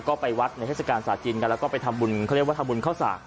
ก็ไปวัดในเทศกาลศาสตร์จีนกันแล้วก็ไปทำบุญเขาเรียกว่าทำบุญเข้าสาก